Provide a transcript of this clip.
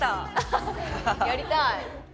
やりたい